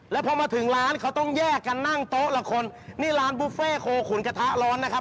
แล้วพอมาถึงร้านเขาต้องแยกกันนั่งโต๊ะละคนนี่ร้านบุฟเฟ่โคขุนกระทะร้อนนะครับ